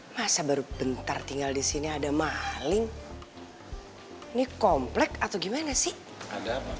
masa baru bentar tinggal di sini ada maling ini komplek atau gimana sih